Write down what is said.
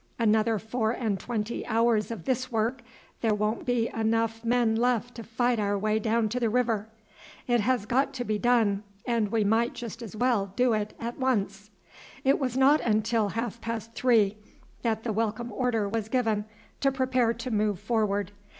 Another four and twenty hours of this work there won't be enough men left to fight our way down to the river. It has got to be done, and we might just as well do it at once." It was not until half past three that the welcome order was given to prepare to move forward.